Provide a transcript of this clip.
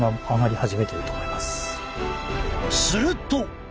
すると。